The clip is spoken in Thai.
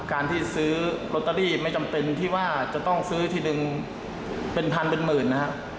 การที่ซื้อลอตเตอรี่ไม่จำเป็นที่ว่าจะต้องซื้อทีนึงเป็นพันเป็นหมื่นนะครับ